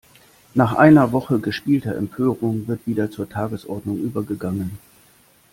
Nach einer Woche gespielter Empörung wird wieder zur Tagesordnung übergegangen.